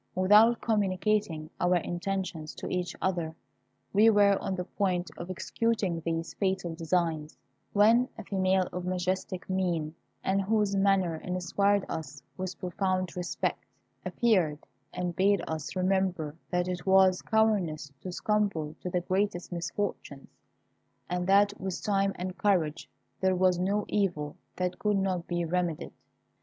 Without communicating our intentions to each other, we were on the point of executing these fatal designs, when a female of majestic mien, and whose manner inspired us with profound respect, appeared, and bade us remember that it was cowardice to succumb to the greatest misfortunes, and that with time and courage there was no evil that could not be remedied.